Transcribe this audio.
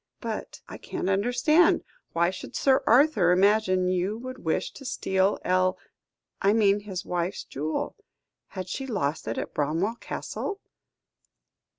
"But I can't understand. Why should Sir Arthur imagine you would wish to steal El I mean his wife's jewel. Had she lost it at Bramwell Castle?"